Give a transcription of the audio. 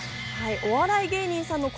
お笑い芸人さんの声